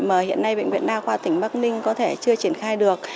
mà hiện nay bệnh viện đa khoa tỉnh bắc ninh có thể chưa triển khai được